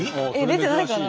出てないかな？